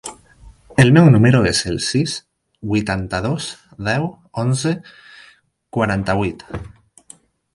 El meu número es el sis, vuitanta-dos, deu, onze, quaranta-vuit.